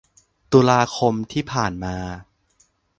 ตุลาคมที่ผ่านมา